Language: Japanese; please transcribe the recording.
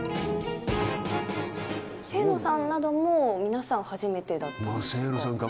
清野さんなども皆さん、初めてだったんですか？